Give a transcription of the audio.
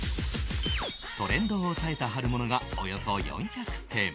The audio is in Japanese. トレンドを押さえた春物がおよそ４００点